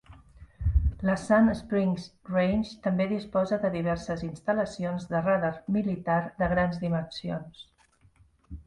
La Sand Springs Range també disposa de diverses instal·lacions de radar militar de grans dimensions.